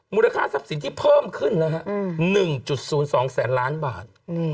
มูลค่าทรัพย์สินที่เพิ่มขึ้นนะฮะ๑๐๒แสนล้านบาท